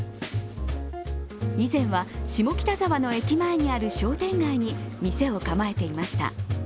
以前は、下北沢の駅前にある商店街に店を構えていました。